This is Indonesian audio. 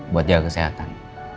buat jaga kesehatan